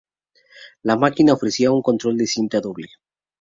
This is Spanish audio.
La máquina ofrecía un control de cinta doble.